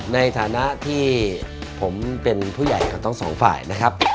ในฐานะที่ผมเป็นผู้ใหญ่กับทั้งสองฝ่ายนะครับ